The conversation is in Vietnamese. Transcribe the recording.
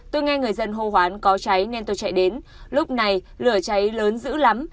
tôi nghe người dân hô hoán có cháy nên tôi chạy đến lúc này lửa cháy lớn giữ lắm